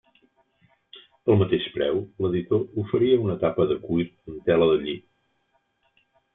Pel mateix preu, l'editor oferia una tapa de cuir amb tela de lli.